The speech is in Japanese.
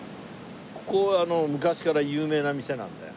ここは昔から有名な店なんだよ。